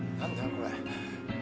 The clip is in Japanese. これ」